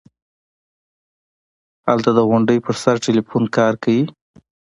هلته د غونډۍ پر سر ټېلفون کار کيي.